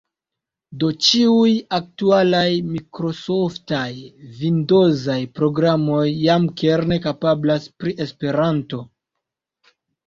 Do ĉiuj aktualaj mikrosoftaj vindozaj programoj jam kerne kapablas pri Esperanto.